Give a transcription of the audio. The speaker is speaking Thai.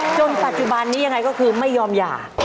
จนปัชภาพนี้อย่างไรก็คือไม่ยอมหย่า